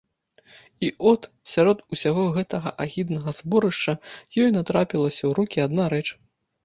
І от, сярод усяго гэтага агіднага зборышча, ёй натрапілася ў рукі адна рэч.